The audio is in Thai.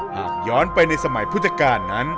หากย้อนไปในสมัยพุทธกาลนั้น